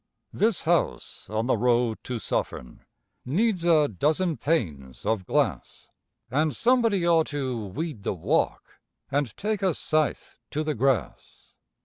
This house on the road to Suffern needs a dozen panes of glass, And somebody ought to weed the walk and take a scythe to the grass.